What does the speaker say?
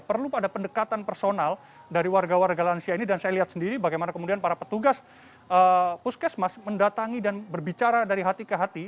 perlu pada pendekatan personal dari warga warga lansia ini dan saya lihat sendiri bagaimana kemudian para petugas puskesmas mendatangi dan berbicara dari hati ke hati